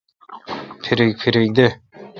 پھریک پھریک دہ۔